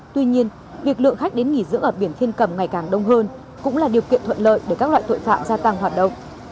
tuy nhiên việc lượng khách đến nghỉ dưỡng ở biển thiên cầm ngày càng đông hơn cũng là điều kiện thuận lợi để các loại tội phạm gia tăng hoạt động